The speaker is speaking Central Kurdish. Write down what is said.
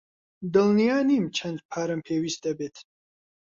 دڵنیا نیم چەند پارەم پێویست دەبێت.